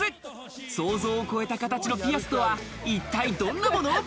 想像を超えた形のピアスとは一体どんなもの？